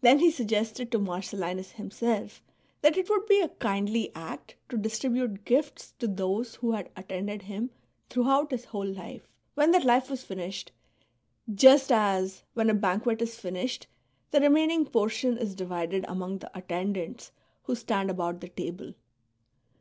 Then he suggested to Marcellinus himself that it would be a kindly act to distribute gifts to those who had attended him throughout his whole life, when that life was finished, just as, when a banquet is finished," the remaining portion is divided among the attendants who stand about the table.